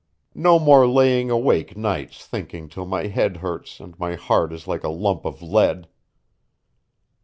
No more laying awake nights thinking till my head hurts and my heart is like a lump of lead.